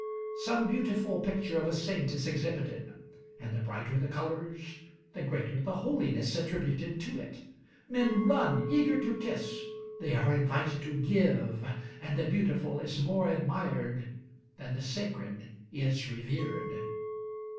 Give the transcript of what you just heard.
Some beautiful picture of a saint is exhibited and the brighter the colors the greater the holiness attributed to it: men run, eager to kiss; they are invited to give, and the beautiful is more admired than the sacred is revered.